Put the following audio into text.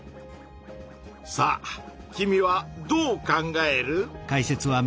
さあ君はどう考える？